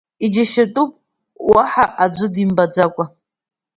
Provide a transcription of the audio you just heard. Иџьашьатәуп, уаҳа аӡәы димбаӡакәа…